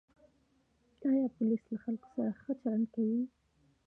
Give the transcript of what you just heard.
آیا پولیس له خلکو سره ښه چلند کوي؟